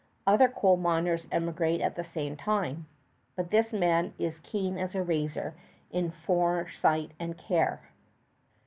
Other coal miners emigrate at the same time, but this man is as keen as a razor in foresight and care.